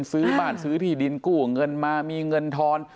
ซื้อบ้านซื้อที่ดินกู้เงินมามีเงินทอน